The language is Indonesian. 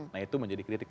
nah itu menjadi kritik